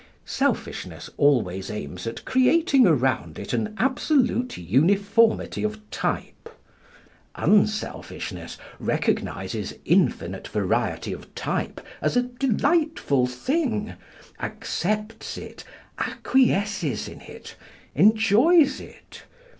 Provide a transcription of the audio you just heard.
Selfishness always aims at creating around it an absolute uniformity of type. Unselfishness recognises infinite variety of type as a delightful thing, accepts it, acquiesces in it, enjoys it.